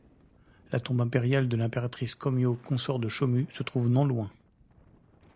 La tombe impériale de l'impératrice Kōmyō, consort de Shōmu, se trouve non loin.